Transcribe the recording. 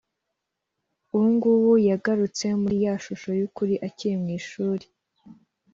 ubungubu yagarutse muri ya shusho y’ukuri akiri mu ishuri